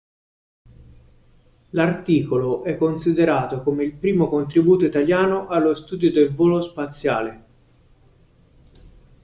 L'articolo è considerato come il primo contributo italiano allo studio del volo spaziale.